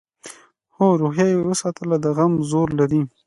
خو روحیه یې وساتله؛ د غم زور لري.